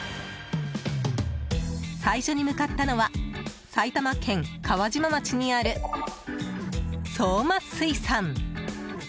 最初に向かったのは埼玉県川島町にある、そうま水産。